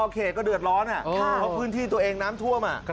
เขตก็เดือดร้อนเพราะพื้นที่ตัวเองน้ำท่วม